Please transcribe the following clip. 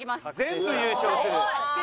全部優勝する？